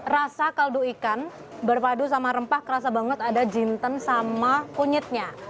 rasa kaldu ikan berpadu sama rempah kerasa banget ada jinten sama kunyitnya